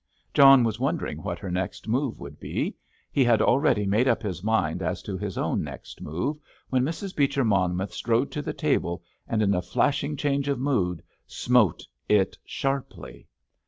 John was wondering what her next move would be. He had already made up his mind as to his own next move, when Mrs. Beecher Monmouth strode to the table, and, in a flashing change of mood, smote it sharply.